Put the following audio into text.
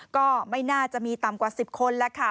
ก็ไม่น่าจะมีต่ำกว่า๑๐คนแล้วค่ะ